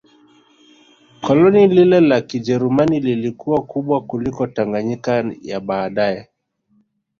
Koloni lile la Kijerumani lilikuwa kubwa kuliko Tanganyika ya baadae